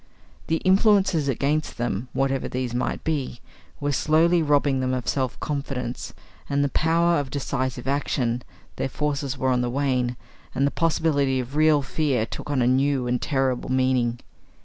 The influences against them, whatever these might be, were slowly robbing them of self confidence, and the power of decisive action; their forces were on the wane, and the possibility of real fear took on a new and terrible meaning.